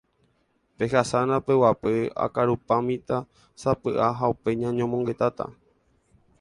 Pehasána peguapy akarupamíta sapy'ami ha upéi ñañomongetáta.